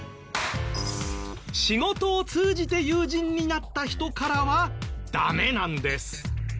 仕事を通じて友人になった人からはダメなんです。